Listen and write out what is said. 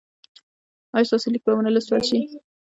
ایا ستاسو لیک به و نه لوستل شي؟